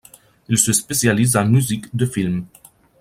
Il se spécialise en musique de film.